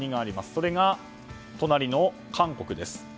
それが隣の韓国です。